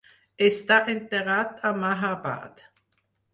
Està enterrat a Mahabad.